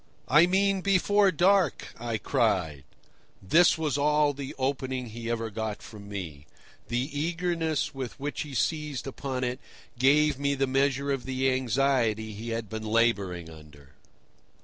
"I mean before dark!" I cried. This was all the opening he ever got from me. The eagerness with which he seized upon it gave me the measure of the anxiety he had been labouring under.